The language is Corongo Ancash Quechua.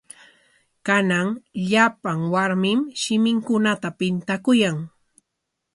Kanan llapan warmim shiminkunata pintakuyan.